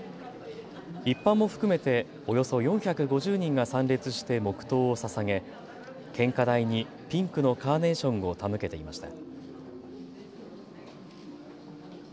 一般も含めておよそ４５０人が参列して黙とうをささげ献花台にピンクのカーネーションを手向けていました。